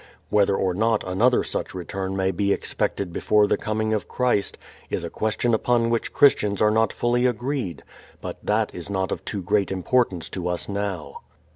Whether or not another such return may be expected before the coming of Christ is a question upon which Christians are not fully agreed, but that is not of too great importance to us now.